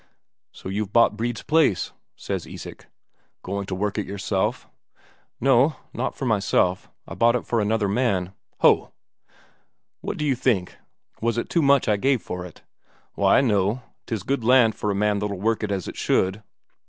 "So you've bought Brede's place?" said Isak. "Going to work it yourself?" "No, not for myself. I bought it for another man." "Ho!" "What d'you think; was it too much I gave for it?" "Why, no. Tis good land for a man that'll work it as it should."